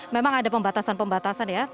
memang ada pembatasan pembatasan ya